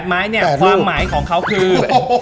ไม้เนี่ยความหมายของเขาคือ